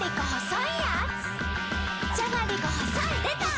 じゃがりこ細いやーつ